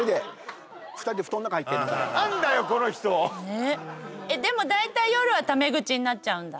えっでも大体夜はタメ口になっちゃうんだ？